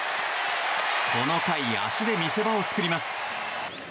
この回、足で見せ場を作ります。